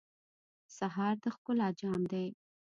سهار د ښکلا جام دی.